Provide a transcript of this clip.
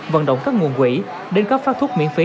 vận động các nguồn quỹ đến cấp phát thuốc miễn phí